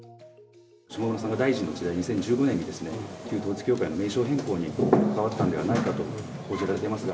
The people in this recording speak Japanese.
下村さんが大臣の時代、２０１５年にですね、旧統一教会の名称変更に関わったんではないかと報じられています